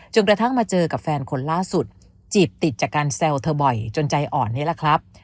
กระทั่งมาเจอกับแฟนคนล่าสุดจีบติดจากการแซวเธอบ่อยจนใจอ่อนนี่แหละครับ